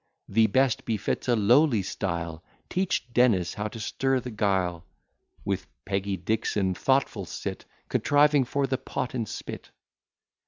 Thee best befits a lowly style; Teach Dennis how to stir the guile; With Peggy Dixon thoughtful sit, Contriving for the pot and spit.